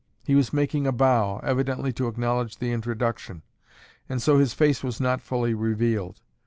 He was making a bow, evidently to acknowledge the introduction, and so his face was not fully revealed.